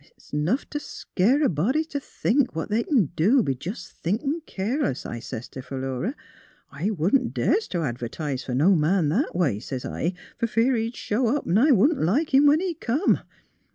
' It's 'nough t' scare a body t' think what they c'n do jest b' thinkin' keerless,' I sez t' Philura. ' I wouldn't das t' advertise fer no man that a way,' sez I, ' fer fear he'd show Tip, 'n' I wouldn't like him when he come.'